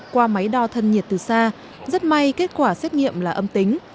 qua máy đo thân nhiệt từ xa rất may kết quả xét nghiệm là âm tính